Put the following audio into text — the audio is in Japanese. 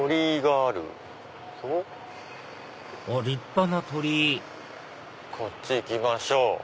あっ立派な鳥居こっち行きましょう。